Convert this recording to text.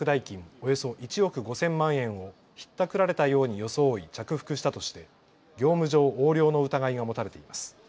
およそ１億５０００万円をひったくられたように装い着服したとして業務上横領の疑いが持たれています。